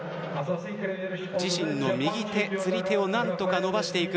自身の右手、釣り手を何とか伸ばしていく。